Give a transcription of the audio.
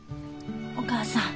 お母さん